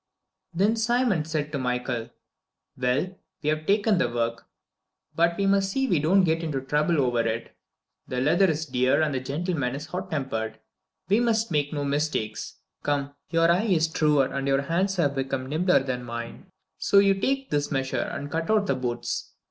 VII Then Simon said to Michael: "Well, we have taken the work, but we must see we don't get into trouble over it. The leather is dear, and the gentleman hot tempered. We must make no mistakes. Come, your eye is truer and your hands have become nimbler than mine, so you take this measure and cut out the boots.